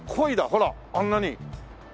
ほらあんなに。